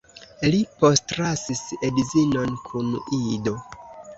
Li postlasis edzinon kun ido.